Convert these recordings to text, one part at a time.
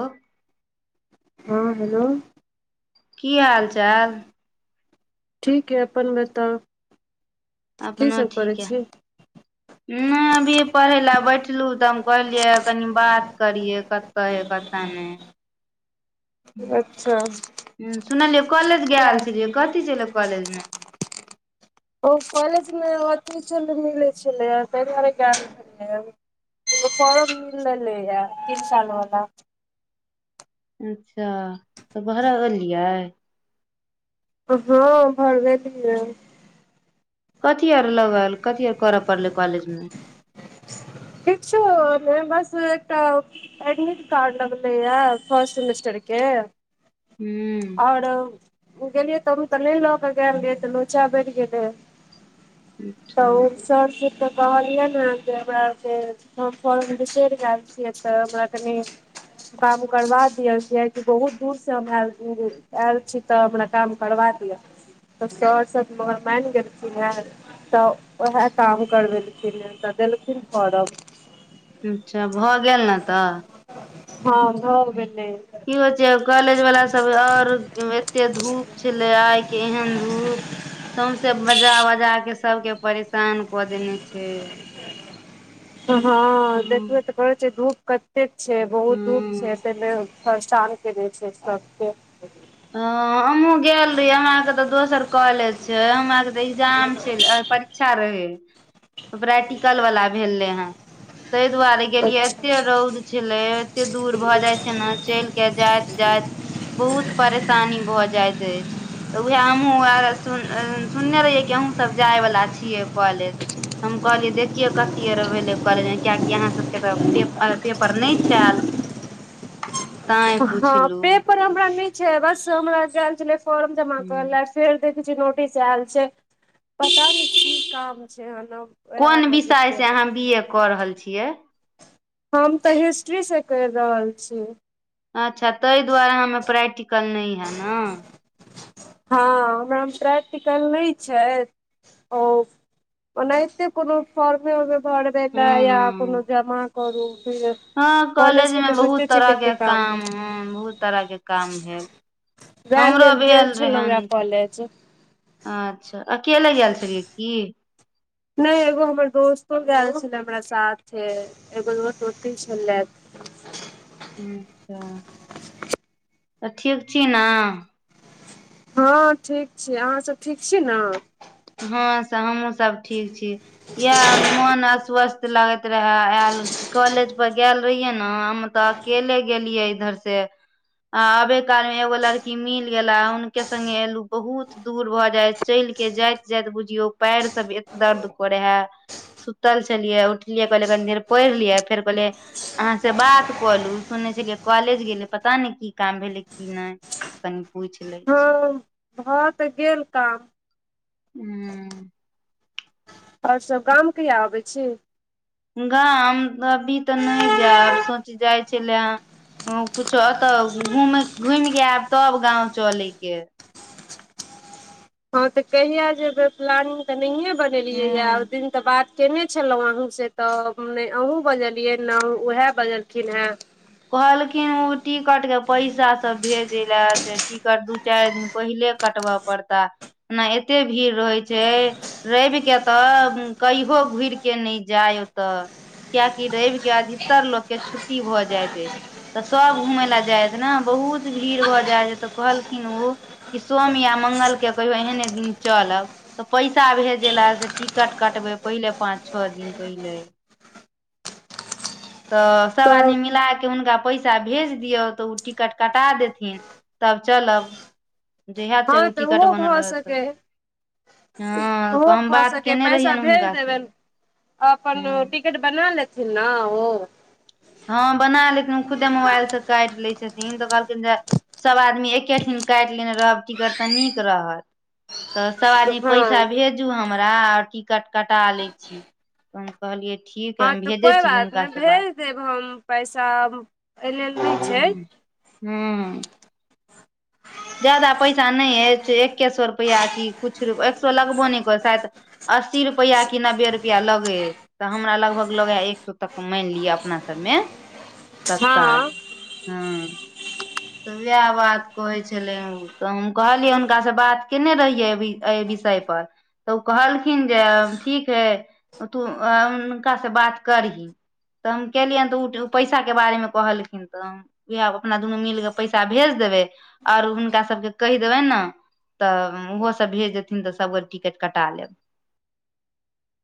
Hello हँ hello. की हाल चाल ठीक यऽ अपन बताउ, की अपनो सब करै ठीक यै छी [unintelligible] नहि, अभी पढ़ै लए बैठलहुँ तऽ हम कहलियै, कनि बात करियै। तऽय कथ नहि अच्छा सुनलियै कॉलेज गेल छलियै कथी छलै कॉलेज मे [unintelligible] ओ कॉलेजमे अथी च मिलै छलैए ताहि दुआरे ग छलै फॉर्म मिलल यऽ, तीन सालवला। अच्छा, तऽ भरालिए हँ भर वेलऐ कथी आर लगल कथिी आर करऽ पड़लै कॉलेजं किछो ने बस एकटा एडमिट कार्ड लगलै ए फर्स्ट सेमेस्टर के हुँ आओर गेलियै तभी तऽ नय लऽ के गेल रहियै, तऽ लोचा बढ़ि गेलै। तऽ अच्छा ओ सब ची तऽ कहलिय ने जे हमरा हम फन बिसरि गेल छियै तऽ हमरा कनी काम करबा दिय कियेकि बहुत दूर से हम आयल आयल छी। तब हमरा काम करबा दिअ त त आओर सब मगर मानि गेलखिन ह। तऽ उएह काम करबेलखिन तऽ देलखिन फॉर्म अच्छा, भऽ गेल ने तऽ? हँ भऽ गेलै। की होइ छै कॉलेजवला सभ, आओर एते धूप छलै आइके, एहन धूप? सौंसे बजा बजा के सबके परेशान कऽ देने छै। हँ हँ हूं देखबै तऽ करै छै धूप कत एह छै, बहुत दूर छै हूं तऽ परेशान केने छै सभके। हँ हमहुँ गेल रहियै हमरा आरके तऽ दोसर कॉलेज छै हम आरके एग्जाम छै, परीक्षा रहै प्रैक्टिकल वाला भेल रहे हे। ताहि दुआरे गेलियै, अच्छा एते रौद छलै, एते दूर भऽ जाय छै ने, चलि के जाइत-जाइत बहुत परेशानी भऽ जाइत अछि। तऽ उएह हमहूँ आ सुन-सुनने रहियै कि अहूँ सभ जायवला छियै कॉलेज। हम कहलियै देखियए कथीर भेलै कॉलेज मे कियेकि अहाँ सब के तऽ पेपर-पेपर नय छेल। हँ पेपर हमरा नय छै, बस हमरा गेलै छलै फॉर्म जमा करै लए, फेर देखै छियै, नोटिस आयल छै। पता ने की काम छै, ओएह कोन मे विषय जेतै से अहाँ बी ए कऽ रहल छियै। हम तऽ हिस्ट्री से कर रहल छी। अच्छा ताहि दुआरे हमे प्रैक्टिकल नय हे न ह [inaudible] हँ हमरा मे प्रैक्टिकल नय छै ओ ओनाहिते कोनो फार्म ओरमे देतय हूँ या कोनो हूँ जमा करू हँ, कॉलेज कॉलेजके मे तऽ बुझिते बहुत छियै तरह कते के काम रहै ह बहुत तरह के काम है। वैहय लेल गेल छलहुँ रहे नय वएह तऽ कॉलेज अच्छा, अकेले गेलै छलियै की? नय एगो हमर दोस्तो गेल छलै हमरा साथे एगो दोस्त ओतै छलैथ। अच्छा, तऽ ठीक छी ने? हँ ठीक छी अहाँसभ ठीक छी ने हँं से हमहुँ सब ठीक छी इएह मोन अस्वस्थ लगैत रहय आयल कॉलेज पर गेल रहिये न हम तऽ अकेले गेलियै इधर से आबे काल मे एगो लड़की मिल गेला हुनके संगे एलु बहुत दूर भऽ जायत चलि के जाइत जाइत बुझियौ पैर सब एत दर्द करे हे सुतल छेलियै उठलियै कहलियै कनी पढ़ि लियै फेर कहलियै अहाँ से बात कलू सुनै छलियै कॉलेज गेलै पता नय की काम भेलै की नय कनि पूछि लै हँ छी भऽ तऽ गेल काम हू आओर सब गाम कहिया आबै छी गाम अभी तऽ नहि जायब सोच जाइ छलै कुछो एतऽ घूम घूमि के आयब तब गाँंव चलेके हँ तऽ कहिया जेबै प्लानिंग तऽ नहिए बनेलियै या हूँ दिन तऽ बात केने छलहु अहू से तऽ ने अहू बजलियै ने उएहे बजलखिन हॅं कहलखिन ओ टिकट के पैसा सब भेजै ले से टिकट दू चारि दिन पहिले कटबय पड़ता एना एते भीड़ रहै छै रैव के तऽ कहियो घुर के नहि जाय ओतऽ किआाकि रवि के अधिकतर लोग के छुट्टी भऽ जायत तऽ सब घूमय लए जायत नऽ बहुत भीड़ भऽ जाइ छै तऽ कहलखिन ओ कि सोम या मंगल के कहियो एहने दिन चलब तऽ पैसा भेज लए से टिकट कटबै पहिले पाँच छः दिन पहिले तऽ सभ आदमी तऽ मिला कऽ हुनका पैसा भेज दियौ तऽ ओ टिकट कटा देथिन तब चलब जहिया‌ हँ चलू तऽ टिकट ओहो बनल भऽ रहत तऽ सकै ओहो भऽ सके केने पैसा रहियनि भेज हुनका से देबनि अपन हँ टिक टिकट बना लेथिन नऽ ओ हँ बना लेथिन ओ खुदे मोबाइल सऽ काटि लै छथिन तऽ कहलखिन जे सब आदमी एकेठिन काटि लेने रहब टिकट तऽ नीक रहत तऽ सब आदमी पैसा हँ भेजू हमरा आओर टिकट कटा लै छी तऽ हम कहलियै ठीक है हँ हम तऽ भेजै कोइ छी बात नहि हुनकासँ बात भेज देब हम पैसा एय लेल नहि छै हू जादा पैसा नय ऐछ एक्के सए रुपैआ कि किछु एक सए लगबो नहि करय शायद अस्सी रुपैआ कि नब्बे रुपैआ लगे‌‌ हय तऽ हमरा लगभग लगाया एक सए तक मानि लिअ अपना सबमे तत्काल हँ हँ तऽ उएह बात कहै छलैह तऽ हम कहलियै हुनकासँ बात केयने रहियै एहि विषय पर तऽ ओ कहलखिन जे ठीक है तू हुनका सऽ बात करही तऽ हम केलियनि तऽ उ पैसा के बारे मे कहलखिन तऽह अपना दुनू मिल पैसा भेज देबै आओर हुनका सबके कहि देबनि नऽ तऽ ओहो सब भेज देथिन तऽ सबगोट टिकट कटा लेब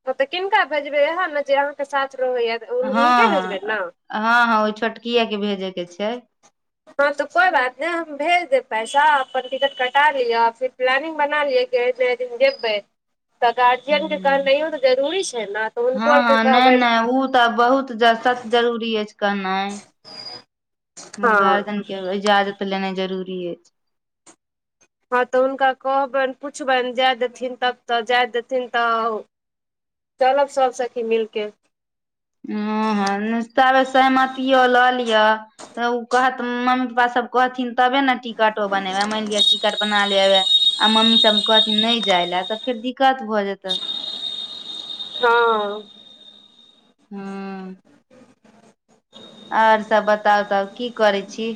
हँ तऽ किनका भेजबै ऐहे ने जे अहाँके साथ रहैया हुनके हँ भेजबै ने हँ हँ ओहि छोटकि के भेजे के छै हँ तऽ कोइ बात नहि हम भेज देब पैसा अपन टिकट कटा लिअ फिर प्लानिंग बना लिअ जे ऐय नऽ ऐय दिन जेबे तऽ गार्जियनके कहनाइयो तऽ जरूरी छै ने तऽ हुनको हँ औरके हँ नहि कहबैनि नहि ओ तऽ बहुत जर सत्य जरूरी अछि कहनाइ हँ गार्जियन कऽ इजाजत लेनाइ जरूरी अछि हँ तऽ हुनका कहबनि पुछबनि जाय देथिन तब तऽ जाय देथिन तऽ चलब सब सखी मिलके हँ हँ ताबे सहमतियो लऽ लिअ तऽ ओ कहत मम्मी पापासभ कहथिन तबे ने टिकटो बनेबे मानि लिअ टिकट बना लेबे आ मम्मी सबमे कहथिन नहि जाय लए तऽ फेर दिक्कत भऽ जेतै हँ हुँ आओर सब बताउ तब की करै छी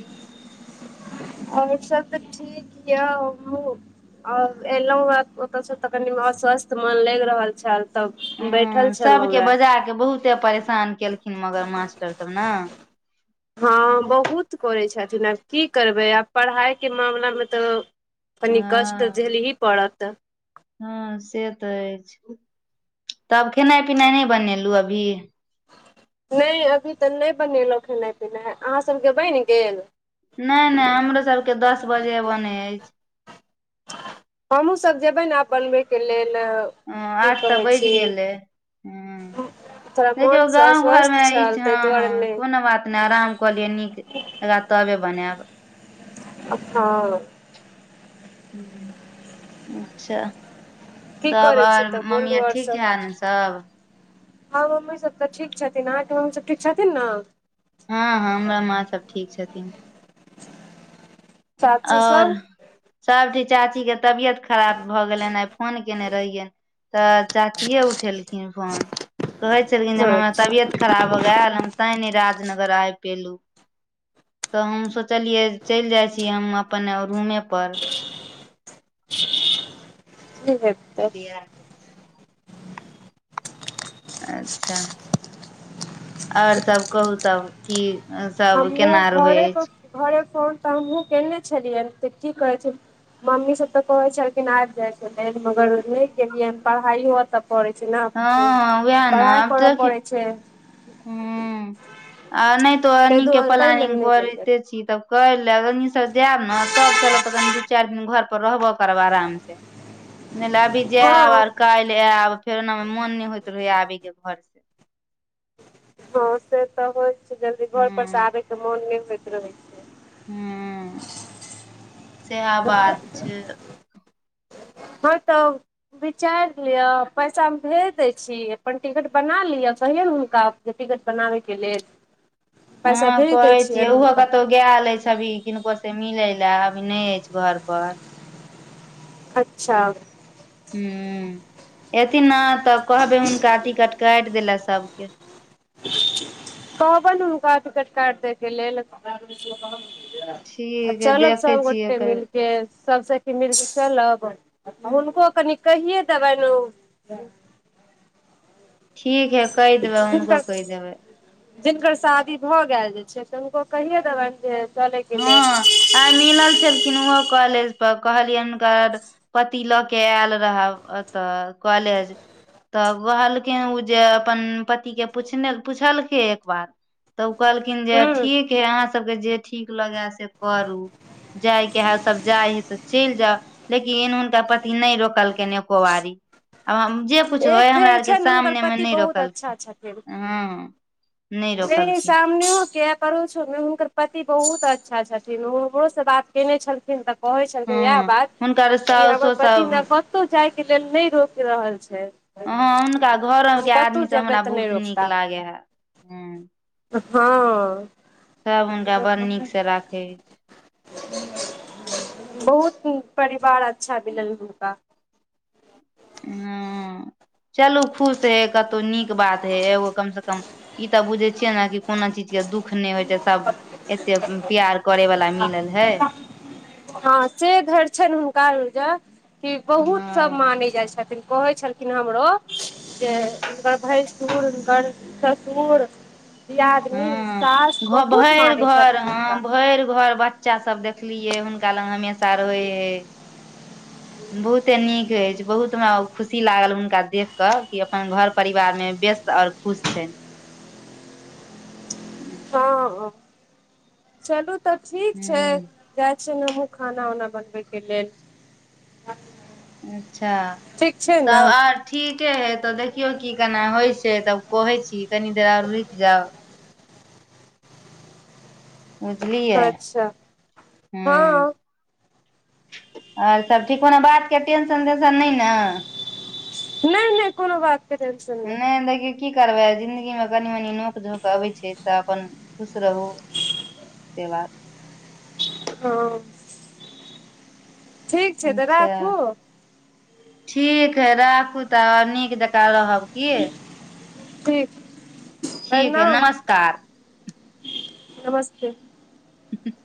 आओर सब तऽ ठीक यऽ हमहूँ आओर एलहुँ हे ओतऽ सँ तऽ कनि अस्वस्थ मन लागि रहल छल तऽ बैठल हुँ छलहुँ सबके हेँ बजा केँ बहुते परेशान केलखिन मगर मास्टर सब नऽ हँ बहुत करैत छथिन आब की करबै आब पढ़ाइ केँ मामिलामे तऽ कनी कष्ट हँ झलही पड़त हँ से तऽ अछि तब खेनाइ पिनाइ नय बनेलहु अभी नय अभी तऽ नय बनेलहुँ खेनाइ पिनाइ अहाँ सभ केँ बैन गेल नय - नय हमरो सब केँ दस बजे बने अछि हमहुँ सभ जेबै नऽ आब बनबै कऽ लेल हँ की आठ तऽ कहै बज छी गेलै हुँ थोड़ा देखियौ मोनसँ गाँव घर अस्वस्थ मे ई छल छै ताहि हँ - दुआरे हँ नहि कोनो बात नय आराम कऽ लियऽ नीक रा तबे बनाएब अ हँ हुँ अच्छा त की करै छी आओर तऽ मम्मी बोलू आर आओर ठीक सब है नऽ सब हँ मम्मी सब तऽ ठीक छथिन अहाँकेँ मम्मी सब ठीक छथिन नऽ हँ - हँ हमरो माँ सब ठीक छथिन चाची आओर सब सभठी चाची केँ तबियत खराब भऽ गेलैन आइ फोन केने रहियैन तऽ चाचिये उठेलखिन फोन कहै छलखिन हँ जे [unintelligible] तबियत खराब हो गेल हम तै नय राजनगर आब पेलू तऽ हम सोचलियै चैल जाइ छी हम अपन रूमे पर की हे बिया अच्छऽ आओर सब कहू तब की सब हमहुँ केना रहैय घरे पर अछि घरे फोन तऽ हमहुँ केने छलियैनि तऽ की कहै छै मम्मी सब तऽ कहै छलखिन आबि जाइ छलै मगर नय गेलियै पढ़ाईयो अतऽ पड़ै छै नऽ हँ पढ़ाइ करऽ पड़ै छै हुँ आ ओनाहितो ताहि एनी केँ दुआरे ताहि लेल प्लानिंग नहि गेलियै करिते छी तब करै लैब एनी सँ जायब नऽ तब चलब तऽ कनि दू चारि दिन घर पर रहबो करब आराम से [inaudible] नय ल अभी हँ जायब आर काल्हि आयब फेर ओनामे मोन नय होइत रहै आबी केँ घर से हँ से तऽ होइत छै जल्दी घर पर से हूँ आबय के मोन नय होइत रहै छै हँ सेहा बात छै हँ तब विचारि लिअ पैसा हम भेज दै छी अपन टिकट बना लिअ कहियौन हुनका जे टिकत बनाबै केँ लेल पैसा हँ भेज दै कहै छियै छियनि उहो हुनका कतोऽ गैल अछि अभी किनको से मिले ले अभी नय अछि घर पर अच्छा हुँ एथिन नऽ तब कहबै हुनका टिकट काटि दै ल सब केँ कहबे हुनका टिकट काइट दैय कऽ लेल आ ठीक है चलब देखै छियै सबगोटे मिल कनि केँ सबसँ कि मिर्स चलब हुनको कनि कहिये दबन ने ठीक हा कहि देबै हुनको जिनकर कहि देबै जिनकर शादी भऽ गेल जे छै तऽ हुनको कहिये देबनि जे चलयके लेल हाँ आइ मिलल छलखिन ओहो कॉलेज पर कहलियै हुनकर पति ल के आयल रह ओतऽ कॉलेज तब कहलखिन ओ जे अपन पति के पुछने- पुछलखिन एक बार तऽ ओ कहलखिन जे हूँ ठीक हा अहाँ सबके जे ठीक लगै से करू जाइके हा सब जाइ हइ तऽ चलि जाउ लेकिन एन हुनका पति नहि रोकलकनि एको बारी आ हम जे कुछ तौँ एक हमरा धरि आर के छनि हुनकर सामनेमे पति नहि बहुत अच्छा रोकलखिन हँ नहि एहि रोकलखिन सामनेके करूछु हुनकर पति बहुत अच्छा छथिन हमरोसँ बात केयने छलखिन तऽ कहै छलखिन इएह हँ बात हुनकर कि हमर साउसो पति सब नफरत कतहु जाय के लेल नहि रोक रहल छै हाँ हुनका हम घरोके कतहु आदमी सब जेबै हमरा तऽ नहि बहुत नीक लागै हा हाँ हाँ सब हुनका बड़ नीक से राखै बहुत परिवार अच्छा मिलल हुनका [unintelligible] हँ चलू खुश हे कतहु नीक बात हे एगो कम से कम ई तऽ बुझे छियै ने कि कोनो चीजके दुख नहि होय से सब एते प्यार करै वाला मिलल हे हाँ से धर छनि हुनकाज कि बहुत सब हँ माने जाय छथिन कहे छलखिन लेकिन हमरो से हुनकर भैसुर हुनकर ससुर दियादनी हाँ सास बहुत घ-भैर मानै घर छथिन हाँ हुनका भैर घर ब- बच्चा सब देखलियै हुनका लग हमेशा रहै हे [unintelligible] बहुते नीक अछि बहुत हमरा खुशी लागल हुनका देख कऽ कि अपन घर परिवारमे व्यस्त आओर खुश छै हूँ हाँ चलू त ठीक छै हूँ जा छियै ने हमहुँ खाना उना बनबेके लेल अच्छा ठीक छै ने तब आर ठीके हइ तऽ देखियौ की केना होइ छै तब कहै छी कनी देर आर रुकि जाउ बुझलियै अच्छा हूँ हँ आर सब ठीक हो ने बातके टेंशन तेंशन नहि ने नहि नहि कोनो बात नहि देखियौ की करबै जिंन्दगीमे कनि मनी नोक झोंक अबैत छै तऽ अपन खुश रहू से बात हाँ छै तऽ अच्छा राखू ठीक हे राखू तऽ नीक जकाँ रहब कि हे ठीक ठीक हइ प्रणाम नमस्कार नमस्ते हूँ-ह